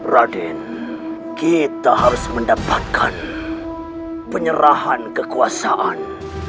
raden kita harus mendapatkan penyerahan kekuasaan